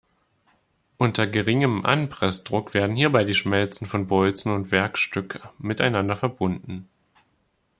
Unter geringem Anpressdruck werden hierbei die Schmelzen von Bolzen und Werkstück miteinander verbunden.